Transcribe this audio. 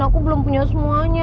aku belum punya semuanya